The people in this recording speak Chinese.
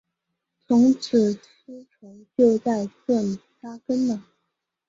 从此丝绸就在这里扎根了。